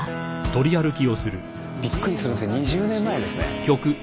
びっくりするんですけど２０年前ですね。